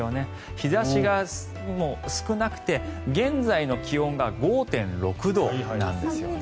日差しが少なくて現在の気温が５．６度なんですよね。